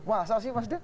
wah salah sih mas d